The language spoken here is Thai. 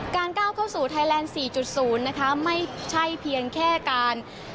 ก้าวเข้าสู่ไทยแลนด์๔๐นะคะไม่ใช่เพียงแค่การ